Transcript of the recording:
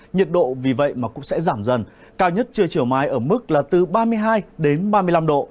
nhiệt độ vì vậy mà cũng sẽ giảm dần cao nhất trưa chiều mai ở mức là từ ba mươi hai đến ba mươi năm độ